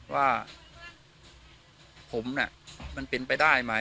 วันนี้ก็จะเป็นสวัสดีครับ